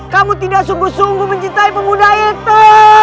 kamu tidak sungguh sungguh mencintai pemuda itu